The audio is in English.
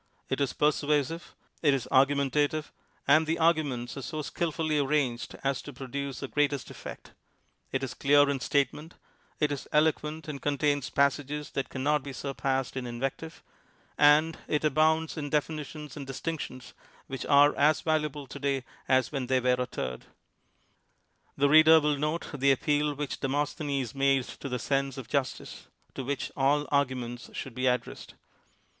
It is persuasive; it is argumentative, and the arguments are so skilfully arranged as to produce the greatest effect; it is clear in statement; it is eloquent and contains passages that can not be surpassed in invective; and it abounds in definitions and distinctions which are as valuable to day as when they were uttered. The reader will note the appeal which De mosthenes made to the sense of justice, to which all arguments should be addressed.